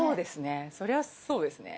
そりゃそうですね。